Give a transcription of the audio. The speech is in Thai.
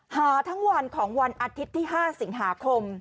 หาทั้งวันของวันอาทิตย์ที่๕สิงหาคม